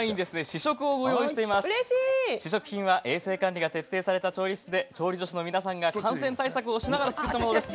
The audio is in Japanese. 試食品は衛生管理が徹底された調理室で調理助手さんたちが感染対策をしながら作ったものです。